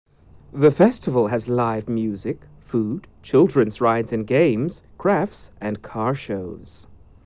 The festival has live music, food, children's rides and games, crafts and car shows.